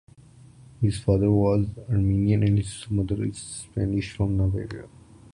His father was Armenian and his mother is Spanish (from Navarre).